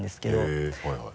へぇはいはい。